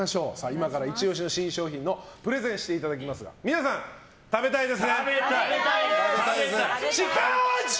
今からイチ押しの新商品のプレゼンをしていただきますが皆さん、食べたいですね？